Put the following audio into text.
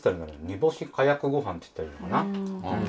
煮干し加薬ご飯っつったらいいのかな。